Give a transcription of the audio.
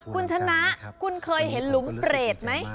คุณชนะคุณเคยเห็นหลุมเปรตไหม